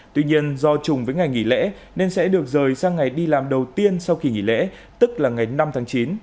tuy nhiên do chùng với ngày nghỉ lễ nên sẽ được rời sang ngày đi làm đầu tiên sau kỳ nghỉ lễ tức là ngày năm tháng chín